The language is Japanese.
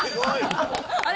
あれ？